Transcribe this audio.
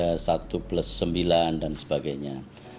yaitu satu plus tujuh ada satu plus sembilan dan sebagainya